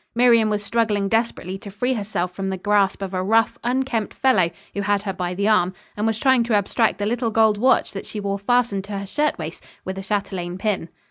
Miriam was struggling desperately to free herself from the grasp of a rough, unkempt fellow who had her by the arm and was trying to abstract the little gold watch that she wore fastened to her shirtwaist with a châtelaine pin.